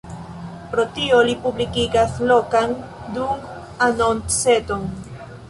Pro tio, li publikigas lokan dung-anonceton.